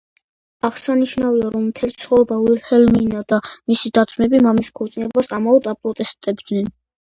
აღსანიშნავია, რომ მთელი ცხოვრება ვილჰელმინა და მისი და-ძმები მამის ქორწინებას ამაოდ აპროტესტებდნენ.